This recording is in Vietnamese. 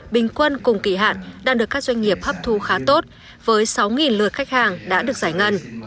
bình quân cùng kỳ hạn đang được các doanh nghiệp hấp thu khá tốt với sáu lượt khách hàng đã được giải ngân